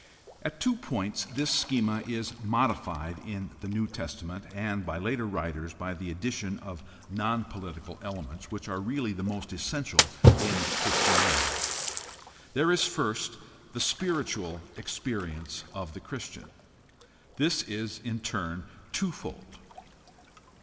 — At two points this schema is modified in the New Testament and by later writers by the addition of non political elements, which are really the most essential in Christianity. There is first the spiritual experience of the Christian. This is in turn twofold.